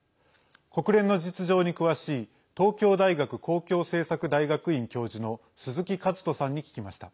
国連の実情に詳しい東京大学公共政策大学院教授の鈴木一人さんに聞きました。